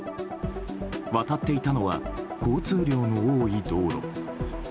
渡っていたのは交通量の多い道路。